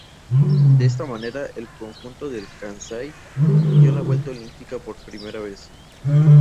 De esta manera, el conjunto del Kansai dio la vuelta olímpica por primera vez.